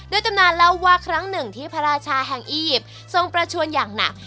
ตำนานเล่าว่าครั้งหนึ่งที่พระราชาแห่งอียิปต์ทรงประชวนอย่างหนัก